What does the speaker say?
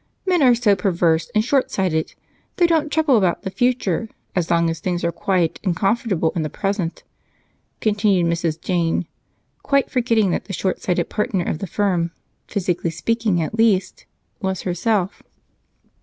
Men are so perverse and shortsighted, they don't trouble about the future as long as things are quiet and comfortable in the present," continued Mrs. Jane, quite forgetting that the shortsighted partner of the firm, physically speaking at least, was herself.